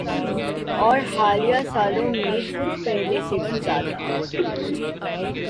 اورحالیہ سالوں میں کچھ پہلے سے بھی زیادہ۔